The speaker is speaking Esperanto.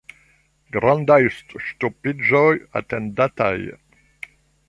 Grandaj ŝtopiĝoj atendataj.